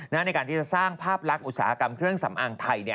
ในการที่จะสร้างภาพลักษณ์อุตสาหกรรมเครื่องสำอางไทย